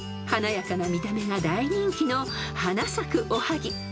［華やかな見た目が大人気の花咲くおはぎ］